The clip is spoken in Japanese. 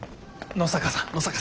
野坂さん